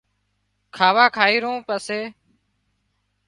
کاوا کائي رون پسي